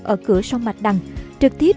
ở cửa sông mạch đằng trực tiếp